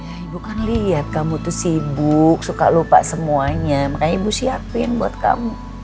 ya ibu kan lihat kamu tuh sibuk suka lupa semuanya makanya ibu siapin buat kamu